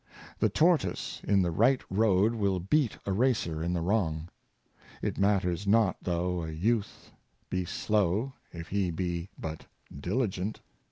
The tortoise in the right road will beat a racer in the wrong. It matters not, though a youth be slow, if he be but diligent.